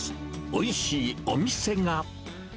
おいしいお店が。